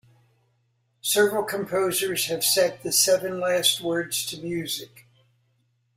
Several composers have set the Seven Last Words to music.